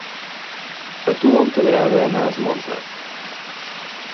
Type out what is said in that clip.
A tu, on t'agrada anar a esmorzar?